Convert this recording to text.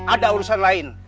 ada urusan lain